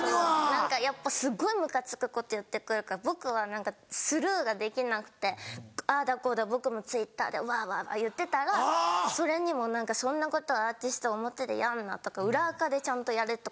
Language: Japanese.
何かやっぱすごいムカつくこと言ってくるから僕はスルーができなくてああだこうだ僕もＴｗｉｔｔｅｒでわわ言ってたらそれにも「そんなことアーティスト表でやんな」とか「裏アカでちゃんとやれ」とか言って。